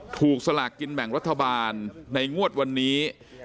สลากกินแบ่งรัฐบาลในงวดวันนี้